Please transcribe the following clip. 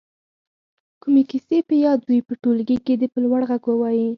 کومې کیسې په یاد وي په ټولګي کې دې په لوړ غږ ووايي.